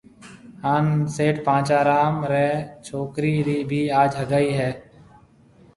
هانَ سيٺ پانچا رام ريَ ڇوڪرِي رِي ڀِي آج هگائي هيَ۔